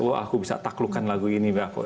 oh aku bisa taklukkan lagu ini aku akhirnya bisa gitu